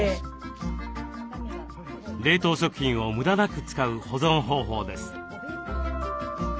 冷凍食品を無駄なく使う保存方法です。